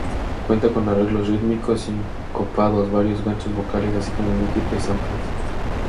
Cuenta con arreglos rítmicos sincopados, varios ganchos vocales, así como múltiples samples.